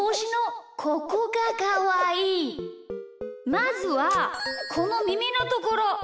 まずはこのみみのところ！